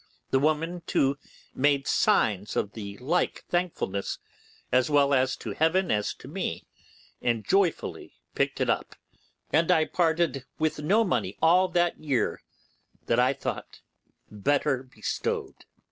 The woman, too, made signs of the like thankfulness, as well to Heaven as to me, and joyfully picked it up; and I parted with no money all that year that I thought better bestowed.